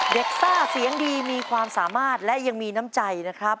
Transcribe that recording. ซ่าเสียงดีมีความสามารถและยังมีน้ำใจนะครับ